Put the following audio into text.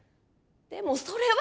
でもそれは。